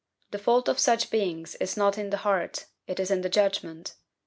The fault of such beings is not in the heart it is in the judgment.